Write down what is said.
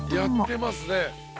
やってますね。